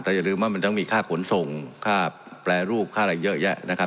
แต่อย่าลืมว่ามันต้องมีค่าขนส่งค่าแปรรูปค่าอะไรเยอะแยะนะครับ